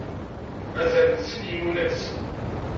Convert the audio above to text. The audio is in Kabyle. Azal n sin n yimulas.